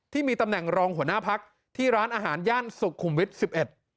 ที่มีตำแหน่งรองหัวหน้าพักที่ร้านอาหารย่านสุขุมวิทย์สิบเอ็ด